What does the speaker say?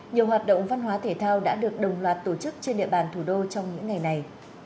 nhiều hoạt động văn hóa thể thao đã được đồng loạt tổ chức trên địa bàn thủ đô trong những ngày này